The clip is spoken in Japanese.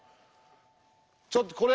ちょっとこれ！